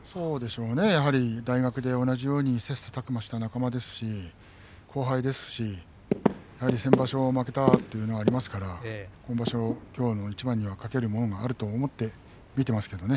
大学で同じように切さたく磨した仲間ですし、後輩ですし先場所、負けたというのもありますからきょうの一番には懸けるものがあると思って見てますけどね。